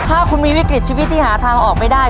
ถ้าคุณมีวิกฤตชีวิตที่หาทางออกไม่ได้